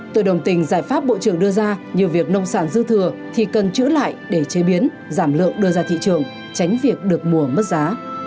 tôi đồng tình giải pháp bộ trưởng đưa ra nhiều việc nông sản dư thừa thì cần chữ lại để chế biến giảm lượng đưa ra thị trường tránh việc được mua mất giá